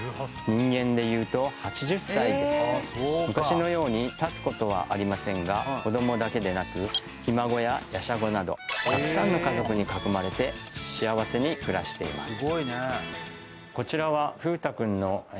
昔のように立つことはありませんが子供だけでなくひ孫ややしゃごなどたくさんの家族に囲まれて幸せに暮らしています